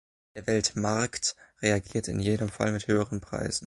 Der Weltmarkt reagiert in jedem Falle mit höheren Preisen.